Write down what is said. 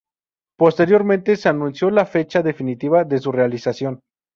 Posteriormente se anunció la fecha definitiva de su realización.